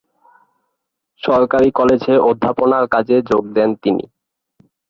সরকারী কলেজে অধ্যাপনার কাজে যোগ দেন তিনি।